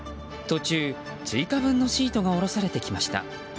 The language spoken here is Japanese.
途中、追加分のシートが下ろされてきました。